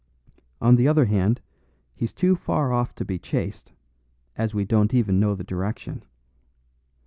On the other hand, he's too far off to be chased, as we don't even know the direction.